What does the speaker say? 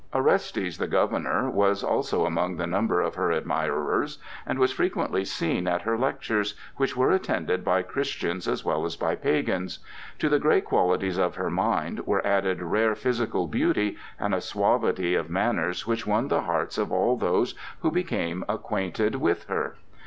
Orestes, the governor, was also among the number of her admirers and was frequently seen at her lectures, which were attended by Christians as well as by pagans. To the great qualities of her mind were added rare physical beauty and a suavity of manners which won the hearts of all those who became acquainted with her.